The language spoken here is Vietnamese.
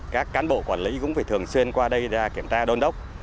các cán bộ quản lý cũng phải thường xuyên qua đây ra kiểm tra đôn đốc